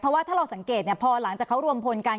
เพราะว่าถ้าเราสังเกตพอหลังจากเขารวมพลกัน